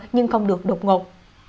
nhưng không được đột ngột